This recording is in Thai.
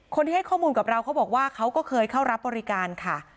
คนที่ให้ข้อมูลกับเราเขาบอกว่าเขาก็เคยเข้ารับบริการค่ะ